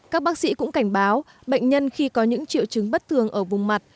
các bác sĩ cũng cảnh báo bệnh nhân khi có những triệu chứng bất thường ở vùng mặt